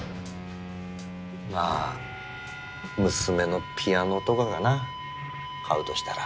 まあ娘のピアノとかかな買うとしたら。